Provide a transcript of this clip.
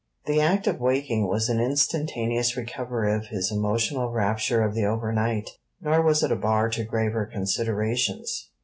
The act of waking was an instantaneous recovery of his emotional rapture of the overnight; nor was it a bar to graver considerations.